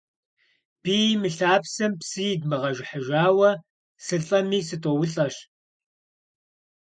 Бийм и лъапсэм псы идмыгъэжыхьыжауэ сылӀэмэ, сытӀоулӀэщ.